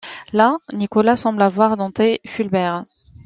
Là, Nicolas semble avoir dompté Fulbert.